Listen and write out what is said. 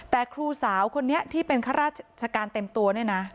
แต่ครูสาวคนนี้ที่เป็นข้าราชการเต็มตัวเนี่ยนะ